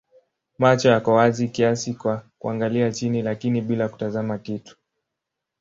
Macho yako wazi kiasi kwa kuangalia chini lakini bila kutazama kitu.